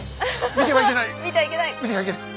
見てはいけない！